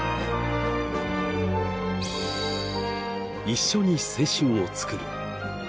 一緒に青春をつくる。